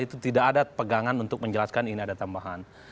itu tidak ada pegangan untuk menjelaskan ini ada tambahan